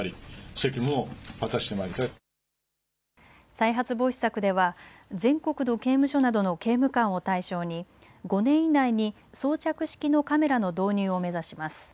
再発防止策では全国の刑務所などの刑務官を対象に５年以内に装着式のカメラの導入を目指します。